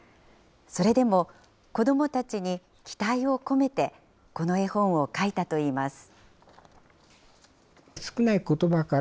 それでも子どもたちに期待を込めて、この絵本を描いたといいます。